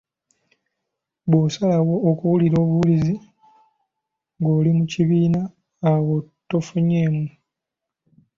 Bw’osalawo okuwulira obuwulizi ng’oli mu kibiina awo tofunyeemu.